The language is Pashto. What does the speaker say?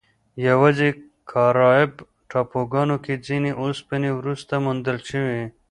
یواځې کارایب ټاپوګانو کې ځینې اوسپنې وروسته موندل شوې.